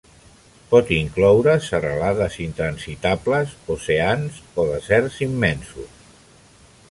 Pot incloure serralades intransitables, oceans o deserts immensos.